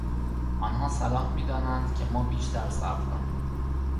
آنها صلاح میدانند که ما بیشتر صبر کنیم.